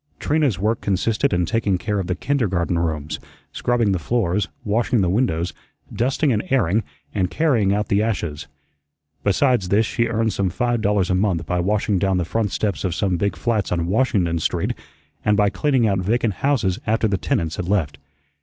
Trina's work consisted in taking care of the kindergarten rooms, scrubbing the floors, washing the windows, dusting and airing, and carrying out the ashes. Besides this she earned some five dollars a month by washing down the front steps of some big flats on Washington Street, and by cleaning out vacant houses after the tenants had left.